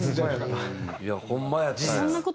いやホンマやったんや。